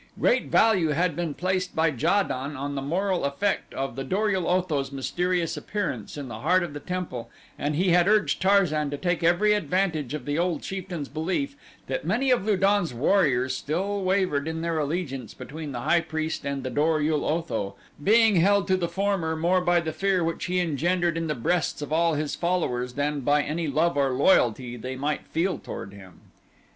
Great value had been placed by Ja don on the moral effect of the Dor ul Otho's mysterious appearance in the heart of the temple and he had urged Tarzan to take every advantage of the old chieftain's belief that many of Lu don's warriors still wavered in their allegiance between the high priest and the Dor ul Otho, being held to the former more by the fear which he engendered in the breasts of all his followers than by any love or loyalty they might feel toward him.